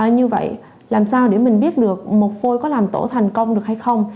như vậy làm sao để mình biết được một phôi có làm tổ thành công được hay không